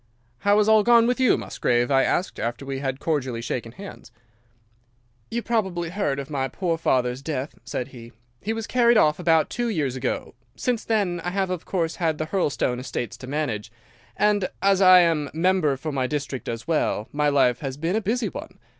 "'How has all gone with you Musgrave?' I asked, after we had cordially shaken hands. "'You probably heard of my poor father's death,' said he; 'he was carried off about two years ago. Since then I have of course had the Hurlstone estates to manage, and as I am member for my district as well, my life has been a busy one.